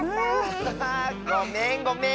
ごめんごめん！